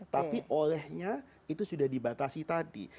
tapi olehnya itu sudah dibatasi tadi